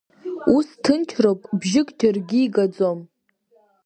Ус ҭынчроуп, бжьык џьаргьы игаӡом…